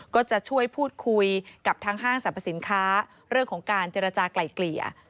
ก็จะช่วยพูดคุยกับทางห้างสรรพสินค้าเรื่องของการเจรจากลายเกลี่ย